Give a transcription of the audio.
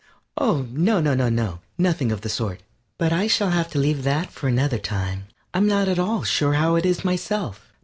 Oh, no, no, no, nothing of the sort. But I shall have to leave that for another time. I'm not at all sure how it is myself.